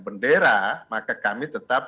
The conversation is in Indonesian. bendera maka kami tetap